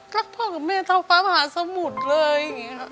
รักพ่อกับแม่เท่าฟ้ามหาสมุทรเลย